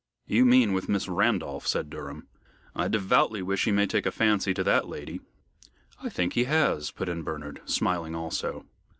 "You mean with Miss Randolph," said Durham. "I devoutly wish he may take a fancy to that lady " "I think he has," put in Bernard, smiling also.